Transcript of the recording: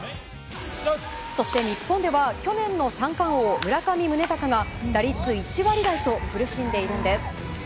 そして日本では去年の三冠王、村上宗隆が打率１割台と苦しんでいるんです。